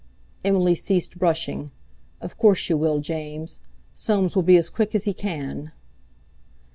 Emily ceased brushing. "Of course you will, James. Soames will be as quick as he can."